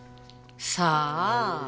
さあ？